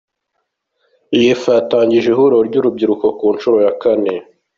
Iyefa yatangije ihuriro ry’urubyiruko ku nshuro ya kane